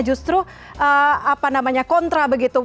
justru kontra begitu